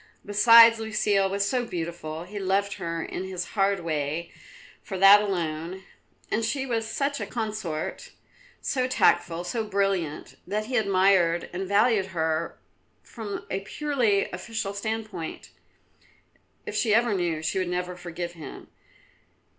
Besides, Lucile was so beautiful; he loved her in his hard way for that alone; and she was such a consort, so tactful, so brilliant, that he admired and valued her from a purely official standpoint. If she ever knew, she would never forgive him.